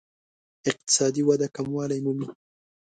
اقتصادي وده کموالی مومي.